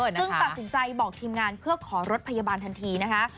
ซึ่งตัดสินใจบอกทีมงานเพื่อขอรถพยาบาลทันทีนะคะ